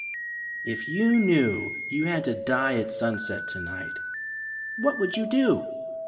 If you knew you had to die at sunset to night, what would you do?